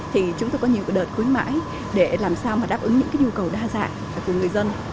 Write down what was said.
thì chúng tôi có nhiều đợt khuyến mãi để làm sao mà đáp ứng những nhu cầu đa dạng của người dân